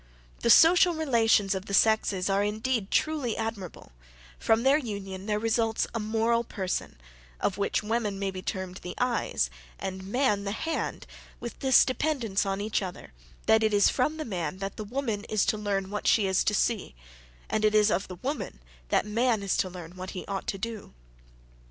The social relations of the sexes are indeed truly admirable: from their union there results a moral person, of which woman may be termed the eyes, and man the hand, with this dependence on each other, that it is from the man that the woman is to learn what she is to see, and it is of the woman that man is to learn what he ought to do.